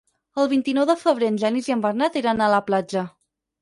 El vint-i-nou de febrer en Genís i en Bernat iran a la platja.